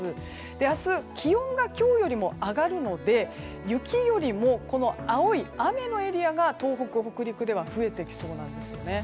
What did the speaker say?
明日気温が今日よりも上がるので雪よりも青い雨のエリアが東北、北陸では増えてきそうなんですよね。